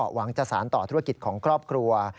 หวังจะสารต่อธุรกิจของครอบครัว